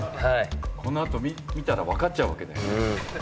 この後見たら分かっちゃうわけだよね。